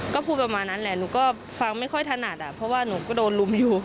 ก็พูดประมาณนั้นแหละหนูก็ฟังไม่ค่อยถนัดอ่ะเพราะว่าหนูก็โดนลุมอยู่